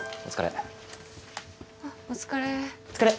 お疲れ。